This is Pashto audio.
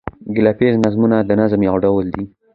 ګيله ييز نظمونه د نظم یو ډول دﺉ.